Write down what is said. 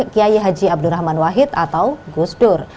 kiai haji abdurrahman wahid atau gusdur